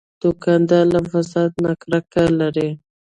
دوکاندار له فساد نه کرکه لري.